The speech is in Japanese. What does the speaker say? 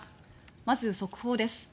まず速報です。